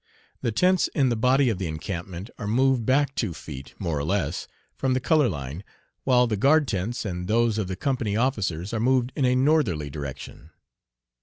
The tents in the body of the encampment are moved. Back two feet, more or less, from the color line, while the guard tents and those of the company officers are moved in a northerly direction.